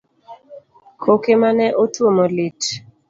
Koke mane otuomo lit